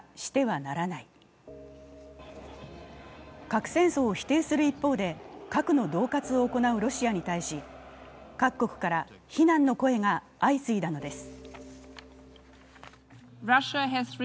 核戦争を否定する一方で、核のどう喝を行うロシアに対し、各国から非難の声が相次いだのです。